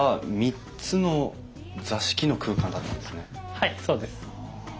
はいそうです。